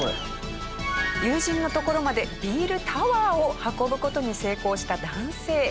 友人のところまでビールタワーを運ぶ事に成功した男性。